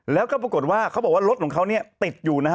แล้วก็ปรากฏว่าเขาบอกว่ารถของเขาเนี่ยติดอยู่นะฮะ